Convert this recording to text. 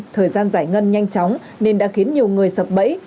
thời gian giải ngân nhanh chóng nên đã khiến nhiều người sập bẫy